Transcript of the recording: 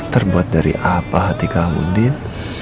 kamu rido diperlakukan seperti ini din